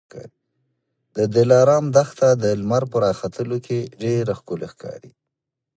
د دلارام دښته د لمر په راختلو کي ډېره ښکلې ښکاري.